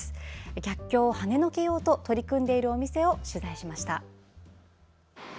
逆境をはねのけようと取り組んでいるお店を取材しました。